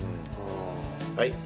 はい。